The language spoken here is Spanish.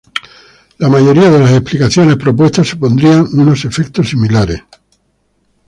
La mayoría de las explicaciones propuestas supondrían unos efectos similares.